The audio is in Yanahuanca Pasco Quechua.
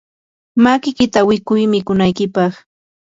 makiykita awikuy mikunaykipaq.